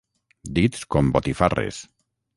Dits com botifarres.